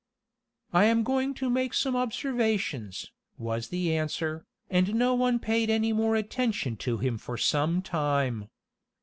"I am going to make some observations," was the answer, and no one paid any more attention to him for some time.